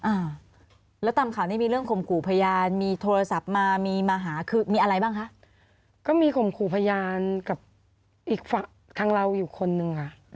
อ่าแล้วตามข่าวนี้มีเรื่องข่มขู่พยานมีโทรศัพท์มามีมาหาคือมีอะไรบ้างคะก็มีข่มขู่พยานกับอีกฝั่งทางเราอยู่คนนึงค่ะ